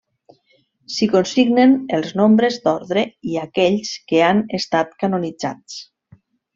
S'hi consignen els nombres d'ordre i aquells que han estat canonitzats.